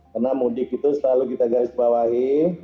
karena mudik itu selalu kita garis bawahi